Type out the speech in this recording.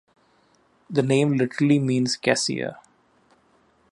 The name literally means "cassia".